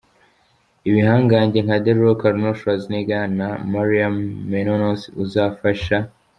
Ibihangange nka The Rock, Arnold Schwarzenegger, na Maria Menounos uzafasha.